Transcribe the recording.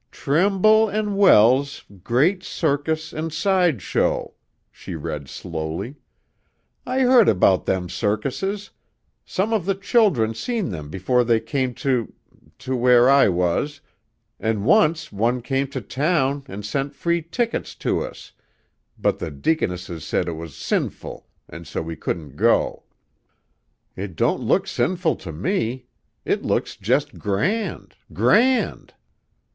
"'Trimble & Wells Great Circus & Sideshow,'" she read slowly. "I heard about them circuses; some of the children seen them before they came to to where I was, an' once one come to town an' sent free tickets to us, but the deaconesses said it was sinful an' so we couldn't go. It don't look sinful to me; it looks just grand grand!"